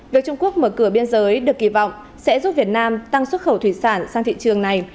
việc trung quốc mở cửa biên giới được kỳ vọng sẽ giúp việt nam tăng xuất khẩu thủy sản sang thị trường này